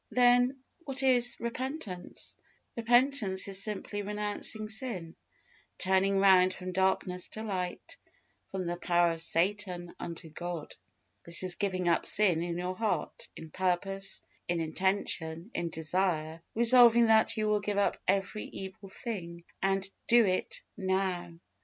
Then what is repentance? Repentance is simply renouncing sin turning round from darkness to light from the power of Satan unto God. This is giving up sin in your heart, in purpose, in intention, in desire, resolving that you will give up every evil thing, and DO IT NOW.